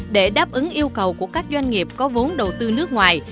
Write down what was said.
để đáp ứng yêu cầu của các doanh nghiệp có vốn đầu tư nước ngoài